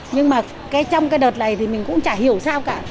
nhưng mà trong cái đợt này thì mình cũng chả hiểu sao cả